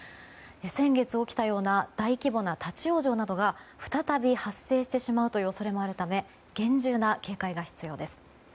先月起きたような大規模な立ち往生などが再び発生してしまうという恐れもあるため厳重な警戒が必要です。